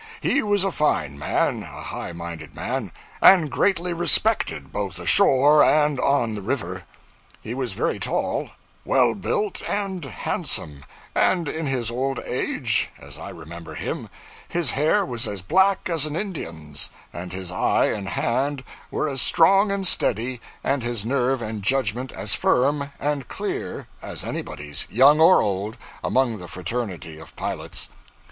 He was a fine man, a high minded man, and greatly respected both ashore and on the river. He was very tall, well built, and handsome; and in his old age as I remember him his hair was as black as an Indian's, and his eye and hand were as strong and steady and his nerve and judgment as firm and clear as anybody's, young or old, among the fraternity of pilots.